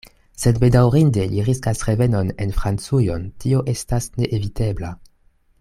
Se bedaŭrinde li riskas revenon en Francujon, tio estas neevitebla.